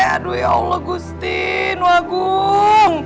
aduh ya allah gustin wagung